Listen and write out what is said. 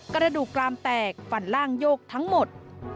กระดูกกรามแตกฟันล่างโยกทั้งหมด